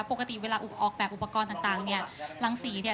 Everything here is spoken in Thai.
ปกติเวลาอากแบบอุปกรณ์จากลังศรี